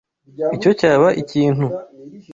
Icyo cyaba ikintu.